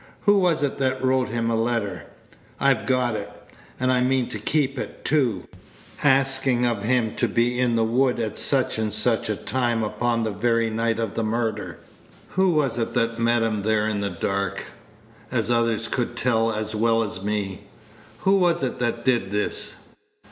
Who was it that wrote him a letter I've got it, and I mean to keep it, too askin' of him to be in the wood at such and such a time upon the very night of the murder? Who was it that met him there in the dark as others could tell as well as me? Who was it that did this?"